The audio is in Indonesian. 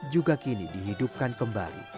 juga kini dihidupkan kembali